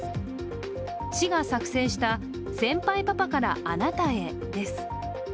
市が作成した「先輩パパからあなたへ」です。